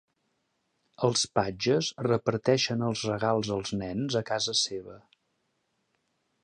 Els patges reparteixen els regals als nens a casa seva.